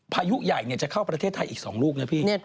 พายุใหญ่จะเข้าประเทศไทยอีก๒ลูกนะพี่